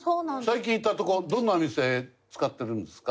最近行ったとこどんなお店使ってるんですか？